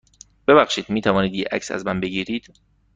ببخشید، می توانید یه عکس از من بگیرید؟